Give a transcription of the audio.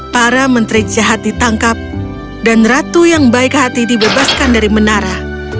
para menteri jahat ditangkap dan ratu yang baik hati dibebaskan dari menara